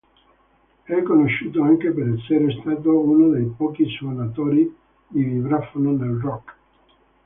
È conosciuto anche per essere stato uno dei pochi suonatori di vibrafono nel rock.